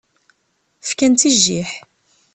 Fkan-tt i jjiḥ.